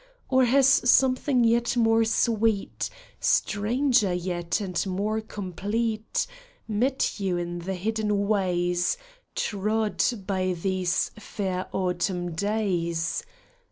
Or has something yet more sweet, Stranger yet and more complete, Met you in the hidden ways Trod by these fair autumn days